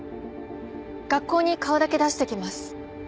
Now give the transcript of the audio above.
学校に顔だけ出してきます。